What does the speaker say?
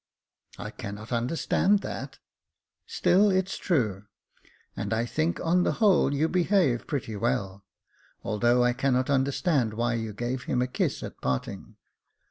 " I cannot understand that." " Still, it is true ; and I think, on the whole, you behaved pretty well, although I cannot understand why you gave him a kiss at parting."